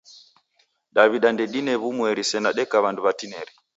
Daw'ida ndedine w'umweri sena deka w'andu w'atineri.